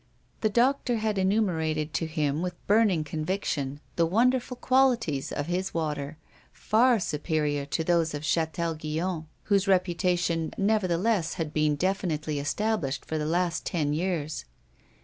The doctor had enumerated to him, with burning conviction, the wonderful qualities of his water, far superior to those of Chatel Guyon, whose reputation nevertheless had been definitely established for the last ten years.